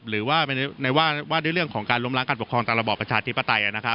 หรือว่าว่าด้วยเรื่องของการล้มล้างการปกครองตามระบอบประชาธิปไตย